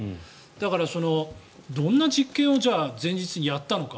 だから、どんな実験を前日にやったのか。